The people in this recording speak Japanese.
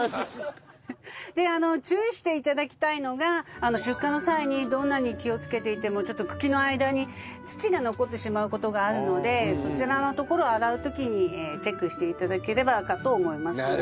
で注意して頂きたいのが出荷の際にどんなに気をつけていてもちょっと茎の間に土が残ってしまう事があるのでそちらのところを洗う時にチェックして頂ければと思います。